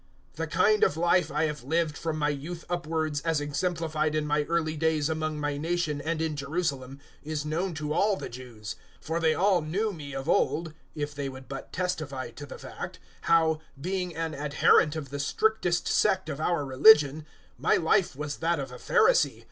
026:004 "The kind of life I have lived from my youth upwards, as exemplified in my early days among my nation and in Jerusalem, is known to all the Jews. 026:005 For they all know me of old if they would but testify to the fact how, being an adherent of the strictest sect of our religion, my life was that of a Pharisee.